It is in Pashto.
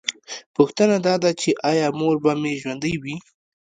پوښتنه دا ده چې ایا مور به مې ژوندۍ وي